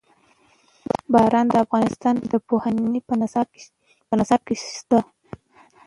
باران د افغانستان د پوهنې په نصاب کې شته.